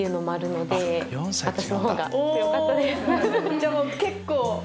じゃあもう結構。